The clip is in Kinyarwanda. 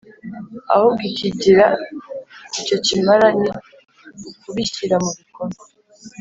ahubwo ikigira icyo kimara ni ukubishyira mu bikorwa